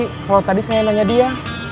kalau tadi saya nanya dia